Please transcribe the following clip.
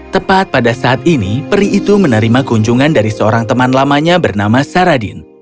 tepat pada saat ini peri itu menerima kunjungan dari seorang teman lamanya bernama saradin